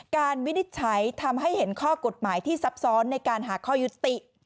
วินิจฉัยทำให้เห็นข้อกฎหมายที่ซับซ้อนในการหาข้อยุติ